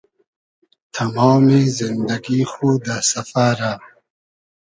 تئمامی زیندئگی خو دۂ سئفئرۂ